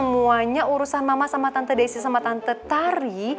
semuanya urusan mama sama tante desi sama tante tari